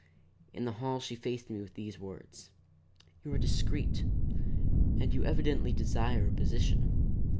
In the hall she faced me with these words: "You are discreet, and you evidently desire a position.